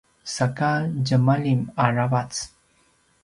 saka djemalim aravac